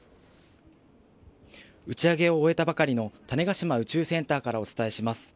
打ち上げを終えたばかりの種子島宇宙センターからお伝えします。